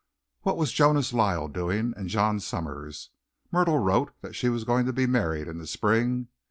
What was Jonas Lyle doing and John Summers? Myrtle wrote that she was going to be married in the spring.